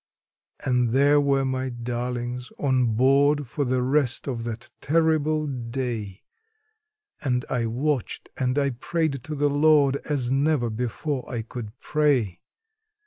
And there were my darlings on board for the rest of that terrible day, And I watched and I prayed to the Lord, as never before I could pray.